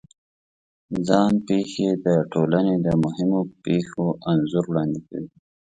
ځان پېښې د ټولنې د مهمو پېښو انځور وړاندې کوي.